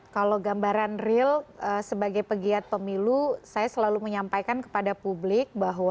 kalau gambaran real sebagai pegiat pemilu saya selalu menyampaikan kepada publik bahwa